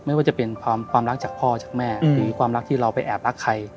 ไม่ว่าจะเป็นความรักจากพ่อจากแม่หรือความรักที่เราไปแอบรักใคร